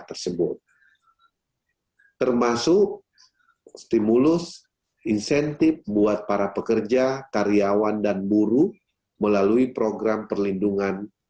tersebut termasuk stimulus insentif buat para pekerja karyawan dan buruh melalui program perlindungan